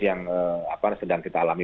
yang sedang kita alami